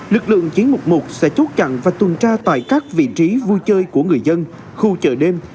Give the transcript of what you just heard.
lực lượng chiến mục một sẽ chốt chặn và tuần tra tại các vị trí vui chơi của người dân khu chợ đêm